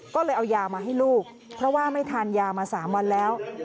ก็เลยเอายามาให้ลูกเพราะว่าไม่ทานยามา๓วันแล้ว